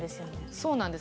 そうなんです。